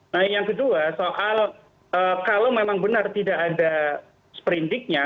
nah yang kedua soal kalau memang benar tidak ada sprindiknya